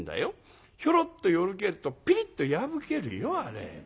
ひょろっとよろけるとぴりっと破けるよあれ。